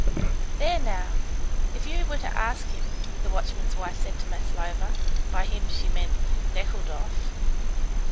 "There, now, if you were to ask him," the watchman's wife said to Maslova (by him she meant Nekhludoff).